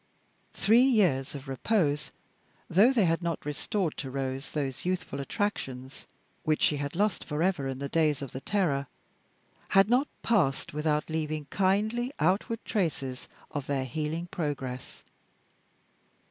Three years of repose, though they had not restored to Rose those youthful attractions which she had lost forever in the days of the Terror, had not passed without leaving kindly outward traces of their healing progress.